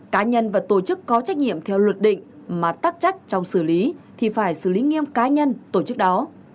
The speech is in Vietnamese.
cá nhân và tổ chức có trách nhiệm theo luật định mà tắc trách trong xử lý thì phải xử lý nghiêm cá nhân tổ chức đó